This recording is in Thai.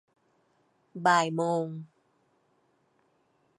บ่ายโมง